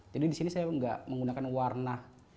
jadi di sini saya enggak menggunakan warna